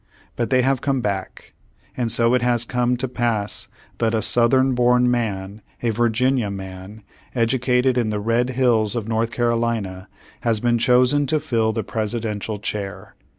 But they have come back. And so it has come to pass that a Southern born man, a Virginia man, educated in the red hills of Noith Carolina has been chosen to fill the Presidential chair.